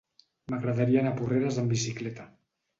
M'agradaria anar a Porreres amb bicicleta.